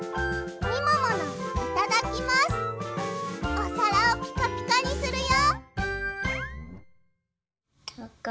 おさらをピカピカにするよ！